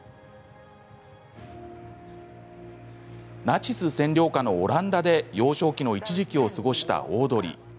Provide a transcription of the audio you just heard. ナチス占領下のオランダで幼少期の一時期を過ごしたオードリー。